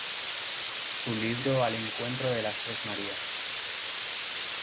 Su libro Al encuentro de las tres Marías.